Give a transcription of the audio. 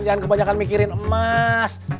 jangan kebanyakan mikirin emas